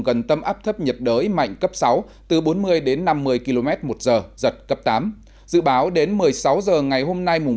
gần tâm áp thấp nhiệt đới mạnh cấp sáu từ bốn mươi đến năm mươi km một giờ giật cấp tám dự báo đến một mươi sáu h ngày hôm nay